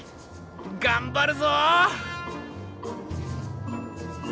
頑張るぞ！